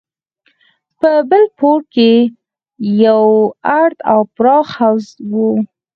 په بل پوړ کښې يو ارت او پراخ حوض و.